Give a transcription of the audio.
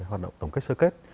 hoạt động tổng kết sơ kết